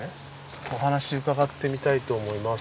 お話伺ってみたいと思います。